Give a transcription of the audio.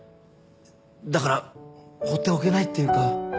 だから放っておけないっていうか。